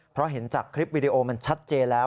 เพราะเห็นจากคลิปวิดีโอมันชัดเจนแล้ว